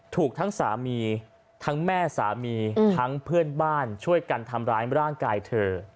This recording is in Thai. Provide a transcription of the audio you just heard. ถูกทั้งสามีทั้งแม่สามีทั้งเพื่อนบ้านช่วยกันทำร้ายร่างกายเธอ